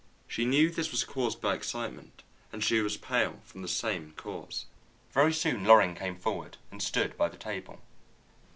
She knew this was caused by excitement, and she was pale from the same cause. Very soon Loring came forward, and stood by the table.